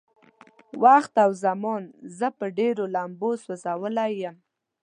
وخت او زمان زه په ډېرو لمبو سوځولی يم.